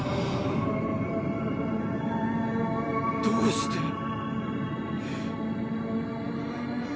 どうして。